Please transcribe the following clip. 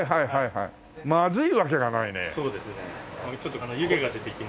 はい。